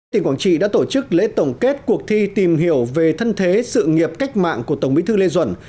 tỉnh quảng trị đã tổ chức lễ tổng kết cuộc thi tìm hiểu về thân thế sự nghiệp cách mạng của tổng bí thư lê duẩn